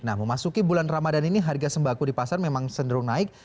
nah memasuki bulan ramadan ini harga sembako di pasar memang cenderung naik